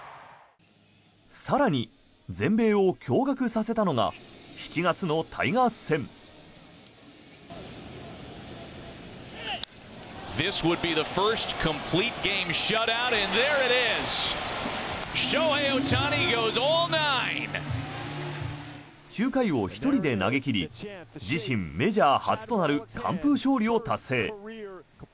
更に、全米を驚がくさせたのが７月のタイガース戦。９回を１人で投げ切り自身、メジャー初となる完封勝利を達成。